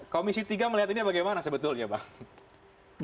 komisi tiga melihatnya bagaimana sebetulnya bang